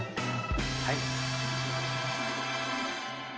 はい。